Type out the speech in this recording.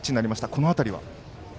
この辺りは？